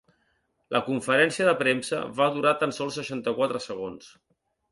La conferència de premsa va durar tan sols seixanta-quatre segons.